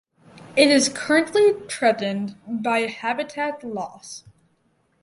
It is currently threatened by habitat loss.